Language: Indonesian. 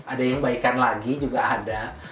ada yang baikan lagi juga ada